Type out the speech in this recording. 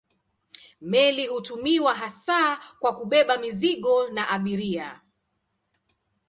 Meli hutumiwa hasa kwa kubeba mizigo na abiria.